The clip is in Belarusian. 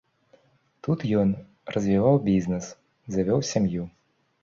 Тут ён развіваў бізнэс, завёў сям'ю.